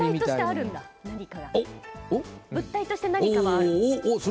物体として何かはある。